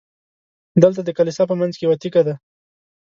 دلته د کلیسا په منځ کې یوه تیږه ده.